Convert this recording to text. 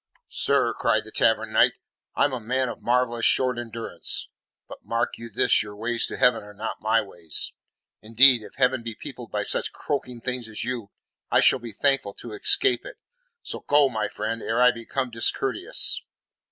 "Sir," cried the Tavern Knight, "I am a man of marvellous short endurance. But mark you this your ways to heaven are not my ways. Indeed, if heaven be peopled by such croaking things as you, I shall be thankful to escape it. So go, my friend, ere I become discourteous."